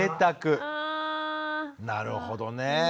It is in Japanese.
なるほどね。